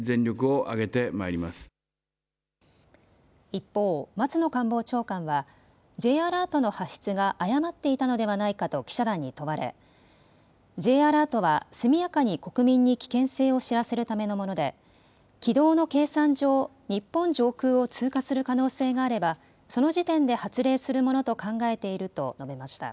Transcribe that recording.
一方、松野官房長官はＪアラートの発出が誤っていたのではないかと記者団に問われＪアラートは速やかに国民に危険性を知らせるためのもので軌道の計算上、日本上空を通過する可能性があればその時点で発令するものと考えていると述べました。